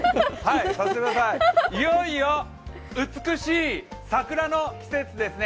いよいよ美しい桜の季節ですね。